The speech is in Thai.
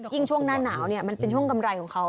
ช่วงหน้าหนาวเนี่ยมันเป็นช่วงกำไรของเขา